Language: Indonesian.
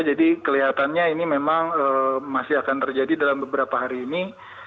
jadi kelihatannya ini memang masih akan terjadi dalam beberapa hari ini